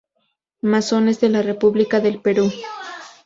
Masones de la República del Perú.